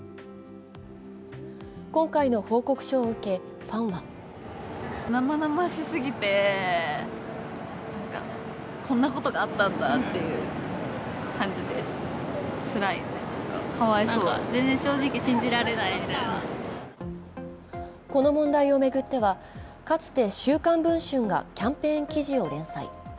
今回の報告書を受け、ファンはこの問題を巡っては、かつて「週刊文春」がキャンペーン記事を連載。